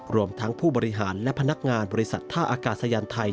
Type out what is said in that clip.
รวมทั้งผู้บริหารและพนักงานบริษัทท่าอากาศยานไทย